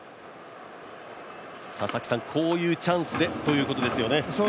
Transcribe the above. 佐々木さん、こういうチャンスでということですよね。